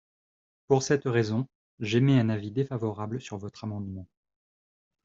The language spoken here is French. Pour cette raison, j’émets un avis défavorable sur votre amendement.